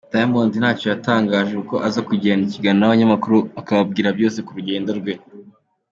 Dayamondi ntacyo yatangaje kuko aza kugirana ikiganiro n’abanyamakuru akababwira byose ku rugendo rwe.